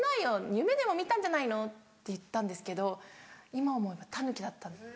夢でも見たんじゃないの？」って言ったんですけど今思えばタヌキだった。